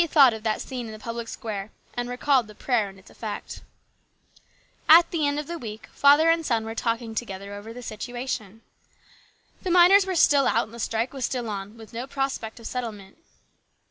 thought of that scene in the public square and recalled the prayer and its effect. At the end of the week, father and son were talking together over the situation. The miners were still out and the strike was still on, with no prospect of settlement.